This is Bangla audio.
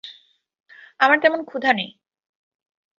আমার তেমন ক্ষুধা নেই।